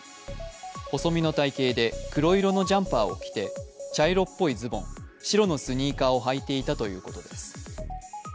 細身の体型で黒色のジャンパーを着て茶色っぽいズボン、白のスニーカーを履いていたということです。